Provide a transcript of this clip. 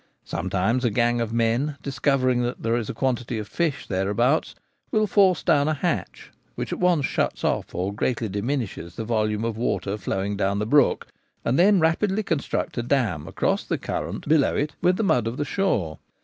Sometimes a Baling for Fish. 191 gang of men, discovering that there is a quantity of fish thereabouts, will force down a hatch which at once shuts off or greatly diminishes the volume of water flowing down the brook, and then rapidly con struct a dam across the current below it with the mud of the shore.